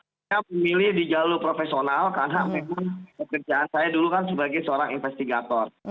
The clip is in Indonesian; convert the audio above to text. saya memilih di jalur profesional karena memang pekerjaan saya dulu kan sebagai seorang investigator